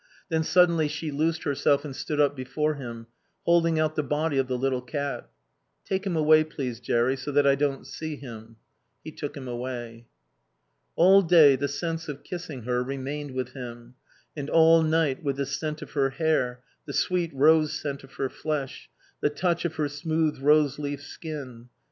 Then suddenly she loosed herself and stood up before him, holding out the body of the little cat. "Take him away, please, Jerry, so that I don't see him." He took him away. All day the sense of kissing her remained with him, and all night, with the scent of her hair, the sweet rose scent of her flesh, the touch of her smooth rose leaf skin.